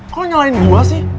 kalo nyalain gue sih